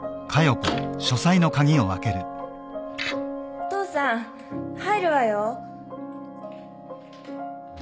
お父さん入るわよ。